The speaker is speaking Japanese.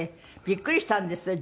びっくりしたんですよ。